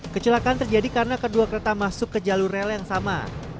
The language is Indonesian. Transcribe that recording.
kecelakaan terjadi karena kedua kereta masuk ke jalur rel yang sama